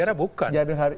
saya kira bukan